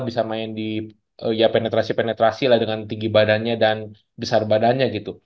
bisa main di ya penetrasi penetrasi lah dengan tinggi badannya dan besar badannya gitu